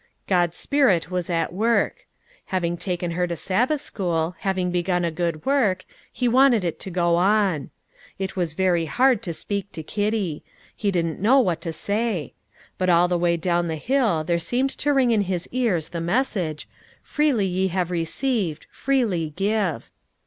God's Spirit was at work. Having taken her to Sabbath school, having begun a good work, he wanted it to go on. It was very hard to speak to Kitty; he didn't know what to say; but all the way down the hill there seemed to ring in his ears the message, "Freely ye have received, freely give."